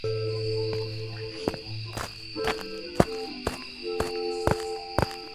El relieve predominante es el valle o depresión.